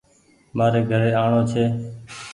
مآري گھري آڻو ڇي۔